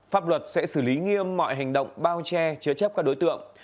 pháp luật sẽ xử lý nghiêm mọi hành động bao che chứa chấp các đối tượng